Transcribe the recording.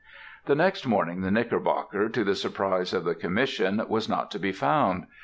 The next morning the Knickerbocker, to the surprise of the Commission, was not to be found.